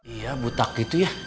iya butak gitu ya